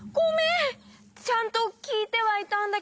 ちゃんときいてはいたんだけど。